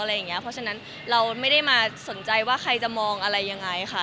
เพราะฉะนั้นเราไม่ได้มาสนใจว่าใครจะมองอะไรยังไงค่ะ